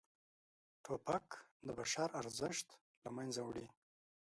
توپک د بشر ارزښت له منځه وړي.